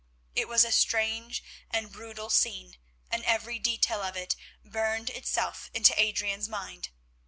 It was a strange and brutal scene, and every detail of it burned itself into Adrian's mind.